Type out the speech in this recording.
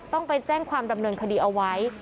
ต้องไปแจ้งความดำเนินคดีเอาไว้